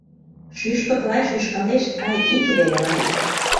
Шӱшпык-лай шӱшкалеш, ай, ик вере-лай